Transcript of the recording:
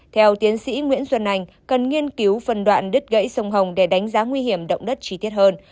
theo tiến sĩ nguyễn xuân anh cần nghiên cứu phân đoạn đứt gãy sông hồng để đánh giá nguy hiểm động đất chi tiết hơn